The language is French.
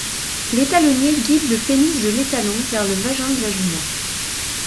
L'étalonnier guide le pénis de l'étalon vers le vagin de la jument.